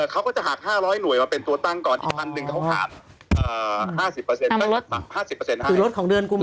เขาก็จะหัก๕๐๐หน่วยมาเป็นตัวตั้งก่อนอีก๑๐๐๐หน่วยเขาขาด๕๐